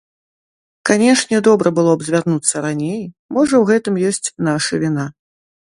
Канешне, добра было б звярнуцца раней, можа ў гэтым ёсць наша віна.